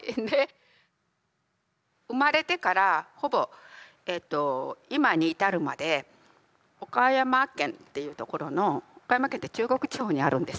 生まれてからほぼ今に至るまで岡山県っていうところの岡山県って中国地方にあるんです。